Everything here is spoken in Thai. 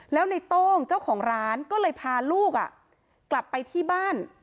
แล้วในโต้งเจ้าของร้านก็เลยพาลูกกลับไปที่บ้าน